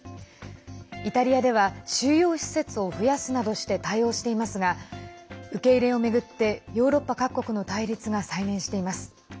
イタリアでは収容施設を増やすなどして対応していますが受け入れを巡ってヨーロッパ各国の対立が再燃しています。